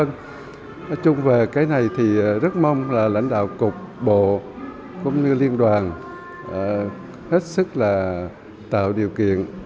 nói chung về cái này thì rất mong là lãnh đạo cục bộ cũng như liên đoàn hết sức là tạo điều kiện